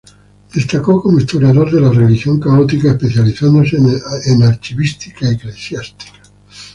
Destacó como historiador de la Religión católica, especializándose en archivística eclesiástica.